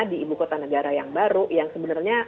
di ibu kota negara yang baru yang sebenarnya